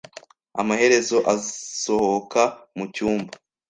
Amaherezo asohoka mucyumba.